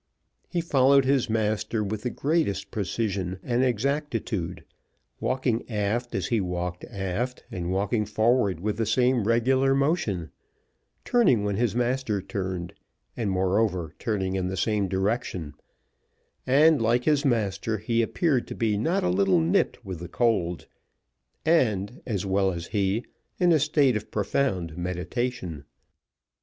He followed his master with the greatest precision and exactitude, walking aft as he walked aft, and walking forward with the same regular motion, turning when his master turned, and moreover, turning in the same direction; and, like his master, he appeared to be not a little nipped with the cold, and, as well as he, in a state of profound meditation.